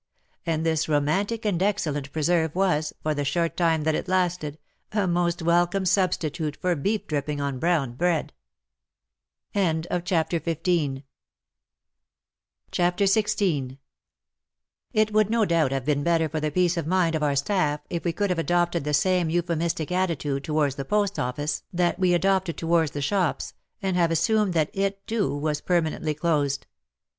And this romantic and excellent pre serve was, for the short time that it lasted, a most welcome substitute for beef dripping on brown bread. CHAPTER XVI It would no doubt have been better for the peace of mind of our staff if we could have adopted the same euphemistic attitude towards the Post Office that we adopted towards the shops, and have assumed that it too was per manently closed.